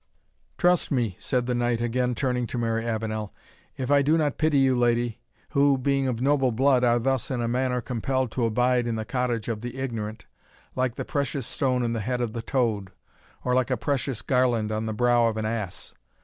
"Trust me," said the knight, again turning to Mary Avenel, "if I do not pity you, lady, who, being of noble blood, are thus in a manner compelled to abide in the cottage of the ignorant, like the precious stone in the head of the toad, or like a precious garland on the brow of an ass.